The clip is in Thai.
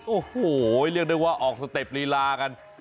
โอ้โหเรียกได้ว่าออกสเต็ปลีลากัน